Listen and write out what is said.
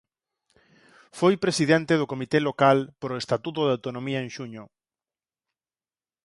Foi presidente do comité local pro Estatuto de Autonomía en xuño.